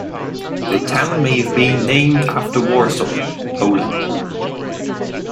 The town may have been named after Warsaw, Poland.